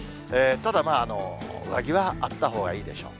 ただ、上着はあったほうがいいでしょう。